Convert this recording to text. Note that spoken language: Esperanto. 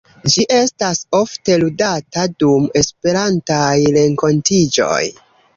Ĝi estas ofte ludata dum Esperantaj renkontiĝoj.